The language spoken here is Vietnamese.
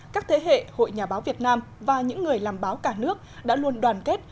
các thế hệ hội nhà báo việt nam và những người làm báo cả nước đã luôn đoàn kết